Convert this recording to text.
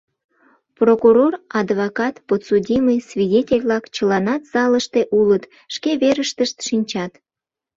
Прокурор, адвокат, подсудимый, свидетель-влак — чыланат залыште улыт, шке верыштышт шинчат.